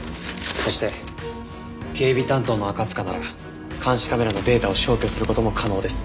そして警備担当の赤塚なら監視カメラのデータを消去する事も可能です。